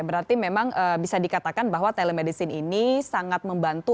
berarti memang bisa dikatakan bahwa telemedicine ini sangat membantu